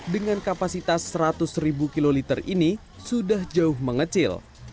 dengan kapasitas seratus ribu kiloliter ini sudah jauh mengecil